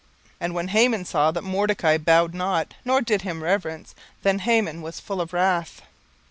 17:003:005 And when Haman saw that Mordecai bowed not, nor did him reverence, then was Haman full of wrath.